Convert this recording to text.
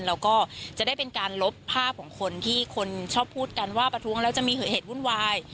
แล้วก็จะได้เป็นการลบภาพของคนที่คนชอบพูดกันว่าประท้วงแล้วจะมีเหตุวุ่นวาย